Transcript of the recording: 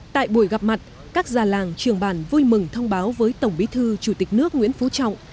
tại buổi gặp mặt các già làng trường bản vui mừng thông báo với tổng bí thư chủ tịch nước nguyễn phú trọng